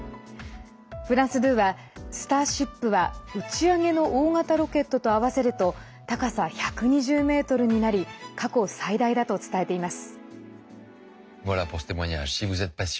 フランス２は「スターシップ」は打ち上げの大型ロケットと合わせると高さ１２０ｍになり過去最大だと伝えています。